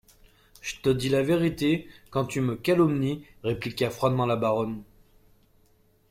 Je te dis la vérité quand tu me calomnies, répliqua froidement la baronne.